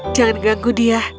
jangan mengganggu dia